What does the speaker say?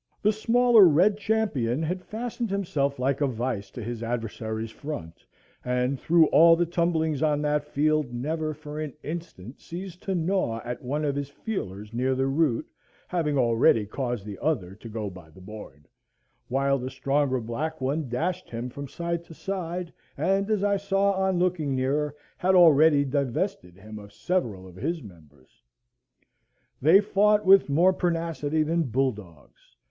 The smaller red champion had fastened himself like a vice to his adversary's front, and through all the tumblings on that field never for an instant ceased to gnaw at one of his feelers near the root, having already caused the other to go by the board; while the stronger black one dashed him from side to side, and, as I saw on looking nearer, had already divested him of several of his members. They fought with more pertinacity than bull dogs.